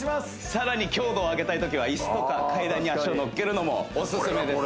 さらに強度を上げたいときは椅子とか階段に脚をのっけるのもオススメです